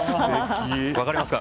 分かりますか。